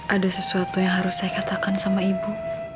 ada sesuatu yang harus saya katakan sama ibu